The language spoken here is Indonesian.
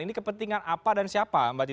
ini kepentingan apa dan siapa